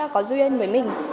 có duyên với mình